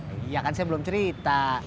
iya kan saya belum cerita